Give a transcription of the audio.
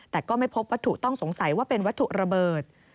แต่ก็ไม่พบวัตถุต้องสงสัยว่าเป็นวัตถุระเบิด